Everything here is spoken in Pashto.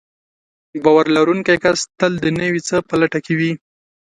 باور لرونکی کس تل د نوي څه په لټه کې وي.